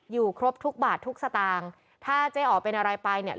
อยู่ครบทุกบาททุกสตางค์ถ้าเจ๊อ๋อเป็นอะไรไปเนี่ย